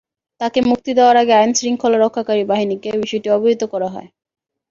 তাঁকে মুক্তি দেওয়ার আগে আইনশৃঙ্খলা রক্ষাকারী বাহিনীকে বিষয়টি অবহিত করা হয়।